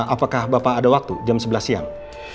apakah bapak ada waktu jam sebelas siang